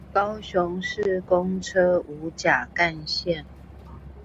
高雄市公車五甲幹線